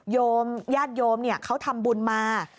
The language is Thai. โยมญาติโยมเนี่ยเขาทำบุญมา